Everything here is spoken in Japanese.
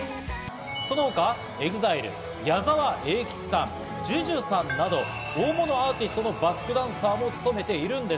その他ＥＸＩＬＥ、矢沢永吉さん、ＪＵＪＵさんなど、大物アーティストのバックダンサーも務めているんです。